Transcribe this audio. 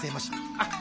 あっ！